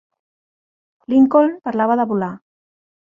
Lincoln parlava de volar.